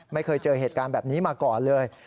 ไม่เคยเจอเหตุการณ์แบบนี้มาก่อนเลย